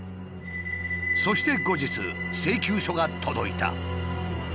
そして後日請求書が届いた。